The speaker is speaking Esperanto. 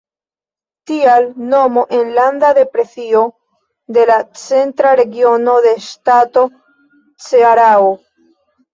Tial nomo "Enlanda Depresio" de la centra regiono de ŝtato Cearao.